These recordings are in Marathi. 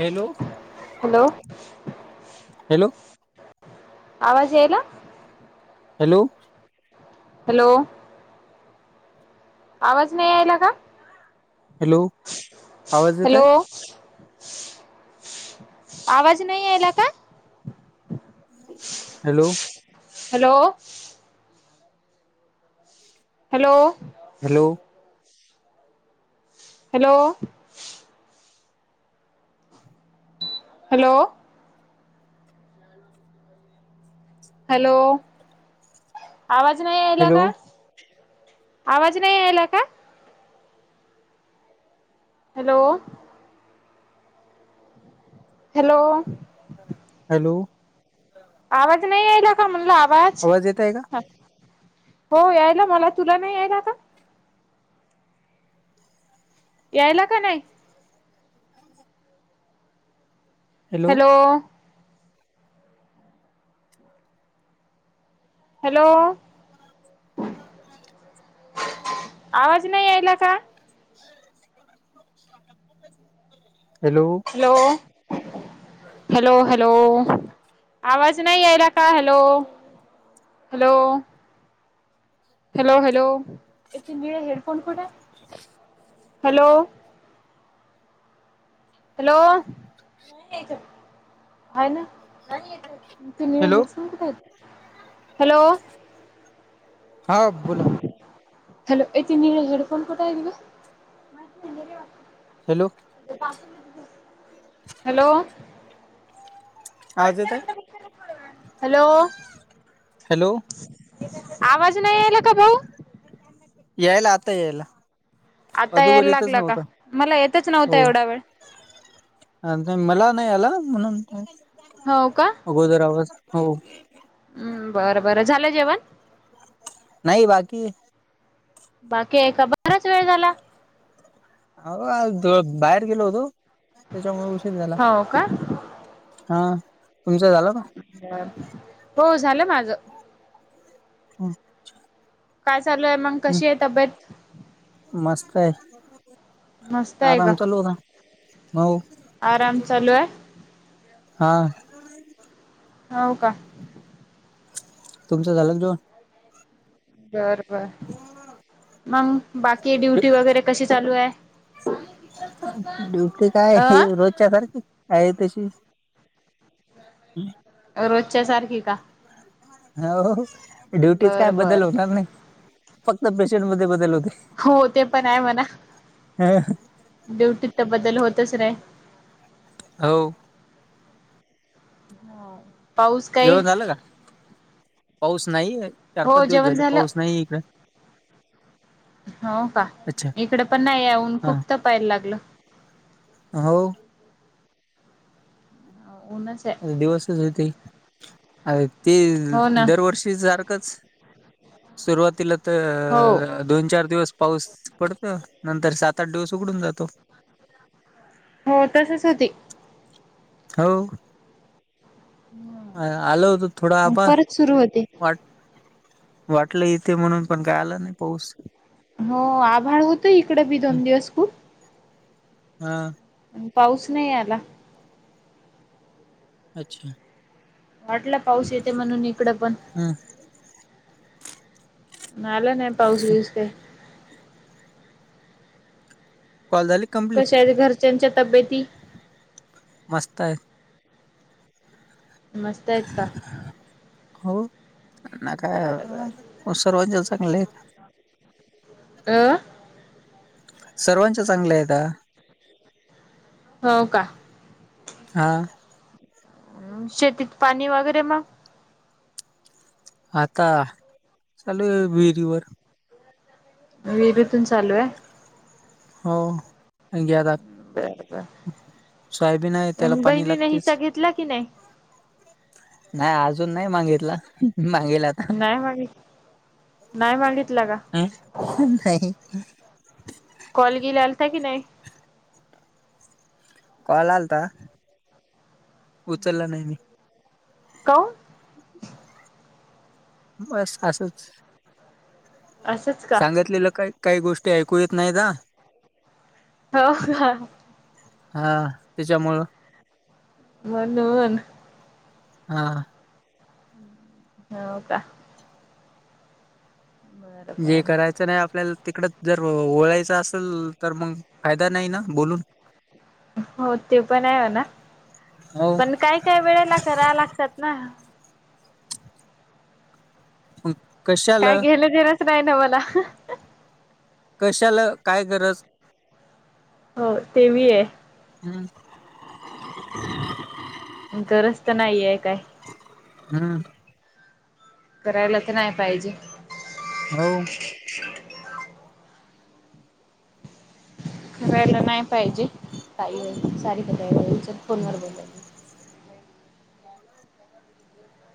हॅलो! Hello hello! आवाज याईला? हॅलो! हॅलो! आवाज नाय यायला का? हॅलो! आवाज येत आहे हॅलो! आवाज नाय यायला का? Hello! Hello! Hello? Hello! Hello? Hello? Hello? आवाज नाय यायला हॅलो का? आवाज नाय यायला का? हॅलो? हॅलो? हॅलो! आवाज नाय यायला का म्हणल आवाज. येत आहे का हो यायला मला, तुला नाय यायला का? यायला का नाय? हॅलो हॅलो आवाज नाही यायला का? हॅलो [unintelligible] हॅलो हॅलो हॅलो आवाज नाही यायला का हॅलो? हॅलो हॅलो हॅलो, हे निळे हेडफोन कुठे हे? हॅलो हॅलो ना नाहीये याच्यात आहे. ना नाही याच्यात मग नीळ हॅलो हेडफोनच काय हॅलो हा बोला हॅलो ऐ ते हेडफोन कोठे आहे गं? माहित नाही मी नाही वापरत. हॅलो हॅलो आवाज येत आहे? मी करेल थोड्यावेळाने हॅलो हॅलो आवाज नाही आला का भाऊ? यायला आता यायला. आता अदोगर यायला येतच लागला का नव्हता मला येतच नव्हता. एवढा वेळ अ मला नाही आला म्हणून हो का? अगोदर आवाज हो, हम्म बरं बरं झालं जेवण? नाही बाकी हे बाकी आहे का बराच वेळ झाला? अ बाहेर गेलो होतो. त्याच्यामुळे उशीर झाला. हो का? हा तुमचं झालं का? हो झालं माझं. हम काय चालू आहे. मग कशी आहे तब्येत? मस्त हे मस्त आहे का, हो आराम चालू आहे. हा हो का? तुमचं झालं जेवण? बर बर मग बाकी ड्युटी वगैरे कशी चालू आहे. ड्युटी काय अ रोजच्या सारखी आहे. तशीच रोजच्या सारखी का, हो ड्युटीच काय बरं बदल बरं होणार नाही. फक्त पेशंट मध्ये बदल होते. हो ते पण आहे म्हणा ड्युटीत तर बदल होतच नाही. हो हा जेव्हा झालं का? पाऊस नाही चार हो पाच दिवस जेवण झाले झालं पाऊस नाही इकडे हो का. अच्छा इकडे पण नाही आहे. ऊन हा खूप तपायला लागलं. हो. ऊनच हाय. दिवसच होते. अ ते हो ना दरवर्षी जर सुरुवातीला हो तर अ दोन, चार दिवस पाऊस पडत. नंतर सात, आठ दिवस उघडून जातो. हो तसच होते. हो. अ आल होत. थोडा आभाळ परत सुरू होते वाट वाटलं येत म्हणून, पण काय आला नाही पाऊस. हो. आभाळ होतो. इकडे बी दोन दिवस खूप. हा. पाऊस नाही आला. अच्छा. वाटला पाऊस येते म्हणून इकडं पण आलं नाही. पाऊस बीऊस ते. कॉल झाली? कंप्लीट कशा आहेत घरच्यांच्या तब्येती? मस्त आहे. मस्त आहेत का? न बरं बर काय सर्वांच्या चांगले आहेत. अं. सर्वांच चांगलं आहेत. हो का. हा. शेतीत पाणी वगैरे मग आता चालोय विहिरी वर. विहिरीतून चालू आहे. हो घ्यायाला बर सोयाबीन आहे. त्याला बर पाणी बहिणीने हिस्सा लागतेच. घेतला की नाही? नाही अजून नाही मागितला मागेलात. नाही माग नाही मागितलं का? [unintelligible] कॉल गीला आलता की नाही? कॉल आलता. उचलला नाही मी. का हो. बस असच. असंच का सांगितलेलं काय काही गोष्टी ऐकू येत नाहीत ह. हो. हा त्याच्यामुळं म्हणून, हा. हो का. बरं जे बरं कराय च असलं तर आपल्याला तिकड जर ओळायच असेल तर मग फायदा नाही ना बोलून. [unintelligible] हो ते पण आहे हो मना हो पण काय, काय वेळेला करायला लागतात, ना हो काय गेलं दिलच नाही ना मला कशाला, काय गरज हो तेवी आहे, हम्, - गरज तर नाहीये काय [unintelligible] हम् करायला तर नाही पाहिजे. हो कयला नाही पाहिजे, काही व सारी [unintelligible] क फोन व बोलाय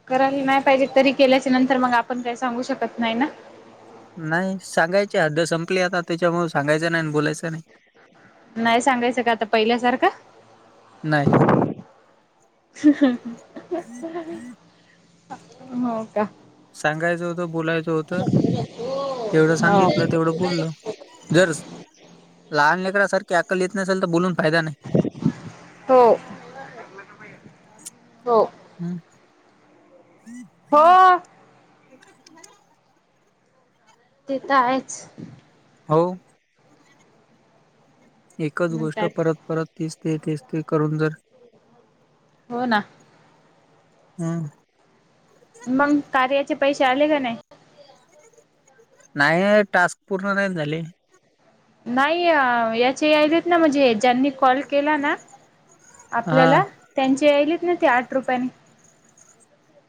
करायला नाही पाहिजे तरी केल्याचे नंतर मग आपण काही सांगू शकत नाही ना नाही सांगायची हद्द संपली आता, त्याच्यामुळ सांगाचं नाही आणि बोलायचं नाही नाही सांगायचं का आता पहिल्यासारखं, नाही ह [unintelligible] हो का सांगायचं, होतं बोलायचं, होत तेवढं हो सांगितलं तेवढं बोललो जर लहान लेकरासाखी अकल येत नसेल तर बोलून फायदा नाही हो हो हम्म हो तुम्हाला आहे काय. [unintelligible] तेे तर आहेच हो एकच गोष्ट म्हणतात परत परत ते तेच ते करून जर हो ना हम् मग कार्याचे पैसे आले का नाही नाही टास्क पूर्ण नाही झाले. नाही याच्ये यालेत ना म्हणजे ज्यांनी कॉल केला. ना - हा. आपल्याला त्यांची यायलीत ना ते आठ रुपयानी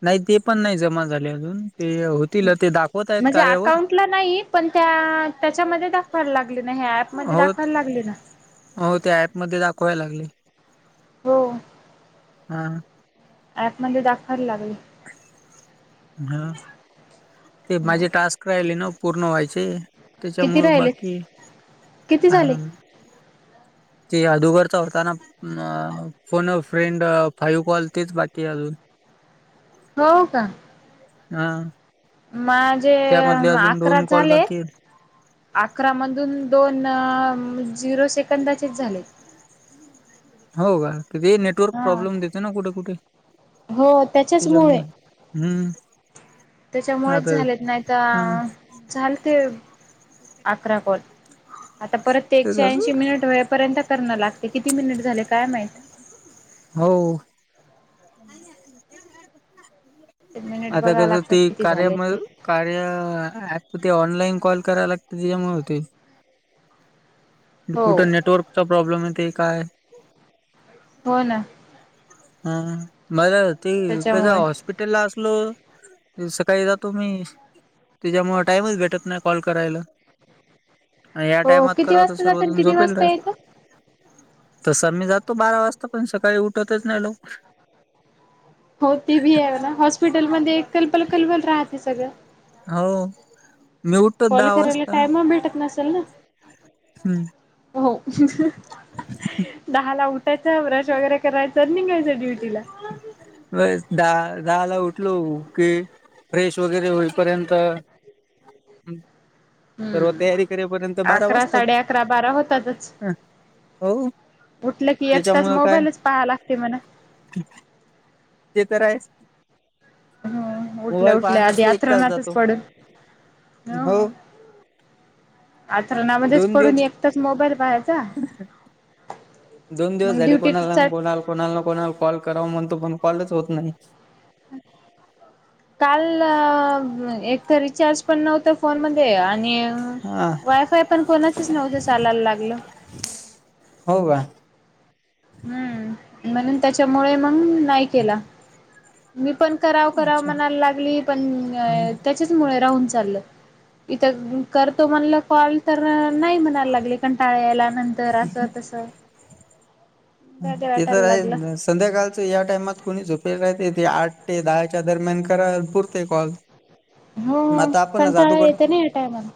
नाही ते पण नाही जमा झाले. अजून ते होत म्हणजे अकाउंटला नाही. पण त्या त्याच्यामध्ये दाखव दाखवा लागले ना हे ॲप मध्ये हो दाखवायला लागले. ना [unintelligible] हो त्या ॲप मध्ये दाखवायला लागले. हो हा ॲप मध्ये दाखवायला लागले. हा ते माझे टास्क राहिले ना पूर्ण व्हायचे किती त्याच्यामुळ राहिले बाकी किती आ झाले? ते आदुगर चा होता ना अ फोन फ्रेंड फाईव्ह कॉल तेच बाकी अजून हो का - हा माझे त्यामधले अजून अकरा दोन कॉल बाकी झालेत. अकरा मधून दोन झिरो सेकंदाचे झालेत. हो का, इथंही नेटवर्क हा प्रॉब्लेम देते ना कुठे-कुठे, हो त्याच्याचमुळे त्याच्यामुळे हम्म त्याच्यामुळेच आता झालंय, ह नाहीतर झालं ते अकरा कॉल आता परत ते एकशे ऐंशी मिनिट वेळेपर्यंत करणं लागतं. किती मिनिटं झाले, काय माहित. हो. ते मिनिट आता बघायला कस ते लागतात किती कार्य झाले मध्ये ते. काय ॲप ते ऑनलाइन कॉल करायला लागतं, त्याच्यामुळे होतंय. हो कुठं नेटवर्कचा प्रॉब्लेम येत काय? हो ना हा मला ते कसं हॉस्प त्याच्यामुळे हॉस्पिटलला असलो, सकाळी जातो मी त्याच्यामुळे टाईमच भेटत नाही कॉल करायला. या हो टाइमात किती करायला वाजता जातात सगळे किती झोपलेले वाजता असतात. येतं तस मी जातो बारा वाजता पण सकाळी उठतच नाही लवकर. हो, ते बी आहे ना. हॉस्पिटलमध्ये कलबल-कलबल राहते सगळं हो. मी उठतो कॉल दहा करायला वाजता टाईम भेटत नसेल ना. हम्म. हो दहा ला उठ कसं आहे, ब्रश वगैरे करायचं, निघायचं ड्युटीला होय, दहाला उठलो की फ्रेश वगैरे होईपर्यंत हम हम्म अकरा, वाजतात. साडे अकरा, बारा होतातच. हो उठल की एक तास त्याच्यामुळं काय मोबाईलच पाहा लागते म्हणा. [inaudible] ते तर आहेच. ह उठल्या मोबाईल उठल्या आधी पाहण्यात एक तास आथरणातच जातो. पडून हो आथरणामध्येच दोन पडून दिवस एकटंच मोबाईल पाहायचा. [inaudible] दोन दिवस मग झाले, कोणाला ड्युटीचा ना कोणाला कॉल करावं म्हणतो, पण कॉलच होत नाहीत. [inaudible] काल एक तर रिचार्ज पण नव्हतं फोनमध्ये आणि हा वाय-फाय पण कोणाचंच नव्हतं, चालायला लागलं. हो का? हम्म, म्हणून त्याच्यामुळे मग नाही केला मी पण करावं-करावं अच्छा. म्हणायला लागली, पण हम्म राहून चाल, इथं करतो कॉल तर नाही मानलं. याला लागलं कंटाळा यायला, नंतर असं तसं. ते तर वाटायला लागलं आहे. संध्याकाळच्या या टाइमात कोणीतरी झोपेत राहते. ते आठ ते दहाच्या दरम्यान करालपुरते कॉल. हो, आता आपणच कंटाळा अदोगर येतो ना या टाइमाला.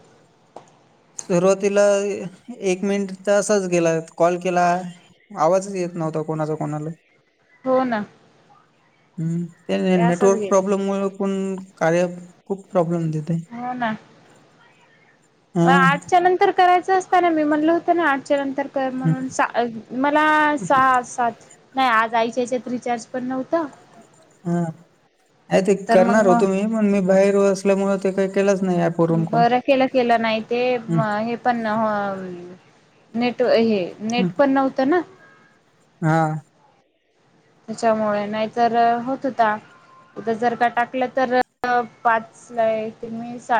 सुरुवातीला एक मिनिट तर असंच गेलं, कॉल केला. आवाजच येत नव्हता कोणाचा कोणाला ही. हो ना हम्म नाही नाही ते असंच नेटवर्क गेलं प्रॉब्लेम मुळ पण कार्या ॲप खूप प्रॉब्लेम देते. हो ना. हा आठच्या नंतर करायच असतना, मी म्हणल होत ना आठच्या नंतर तर हं, मग सा मला सहा सात नाही आज आईच्या ह्याच्यात रिचार्ज पण नव्हत. हा ते तर करणार मग होतो मी पण मी बाहेर असल्यामुळे ते काही केलच नाही. ऍप वरून कॉल बर केल केल नाही ते हे पण हो नेट हे नेट पण नव्हत ना. हां त्याच्यामुळे नाहीतर होत होता. उद्या जर का टाकल तर पाचला येते मी स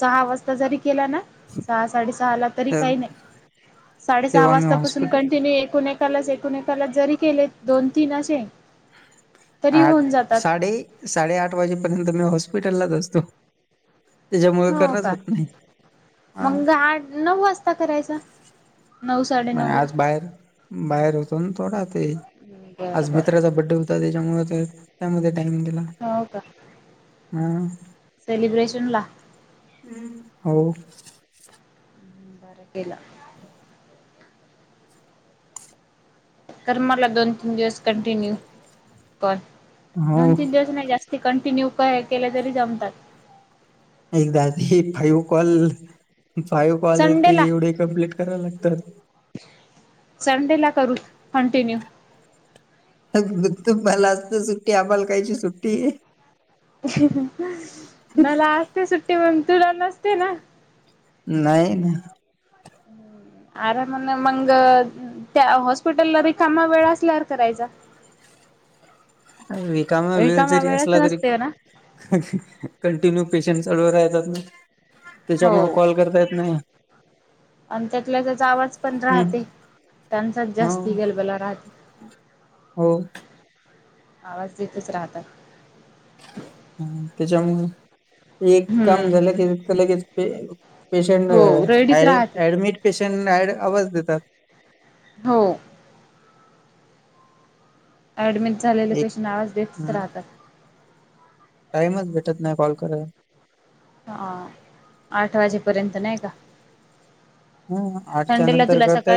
सहा वाजता जरी केला ना सहा साडेसहाला तरी तर काही नाही साडेसहा तेव्हा मी वाजता पासून हॉस्पिटल कंटिन्यू एकूण एक एकालाच एकूण एकालाच जरी केले दोन तीन असे तरी आठ होऊन जातात साडे साडेआठ वाजेपर्यंत मी हॉस्पिटललाच असतो. त्याच्यामुळे हो करणंच का होत नाही हा मग आठ नऊ वाजता करायचा. नऊ नाही साडेनऊ ला आज बाहेर बाहेर होतोना थोडा ते बरं आज बरं मित्राचा बड्डे होतो. त्याच्यामुळे ते त्यामध्ये टाईम गेला. हो का हम्म सेलिब्रेशनला. हो बर केला. कर मला दोन तीन दिवस कंटिन्यू कॉल. हो दोन तीन दिवस नाही जास्त ते कंटिन्यू उपाय केले तरी जमतात. एकदा फाइव कॉल फाइव कॉल य ते संडेला एवढे कम्प्लीट करायला लागतात. संडेला करू कंटिन्यू. तुमला असते सुट्टी आम्हाला कायची सुट्टी आहे. मला असते सुट्टी मग तुला नसते ना. नाही नाही आरामन मंगत त्या हॉस्पिटलला रिकामा वेळ असल्यावर करायचा. रिकामा वेळ जरी वेळच असला तरी नसते ना. कंटिन्यू पेशंट चालू राहतात ना त्याच्यामुळे हो कॉल करता येत नाही. आणि त्यातला त्याचा आवाज पण राहते हम्म त्यांचाच हो जास्त गलबला राहते. हो आवाज येतच राहतात. हम्म त्याच्यामुळ एक काम हम्म. झाल की तीथ लगेच पे पेशंट हो रेडीच राहते. ऍडमिट पेशंट आवाज देतात. हो ॲडमिट झालेले एक पेशंट आवाज देतच राहतात. टाईमच भेटत नाही कॉल करायला. हा आठ वाजेपर्यंत नाही का. ह आठच्या संडेला नंतर तुला करतायेत. सकाळी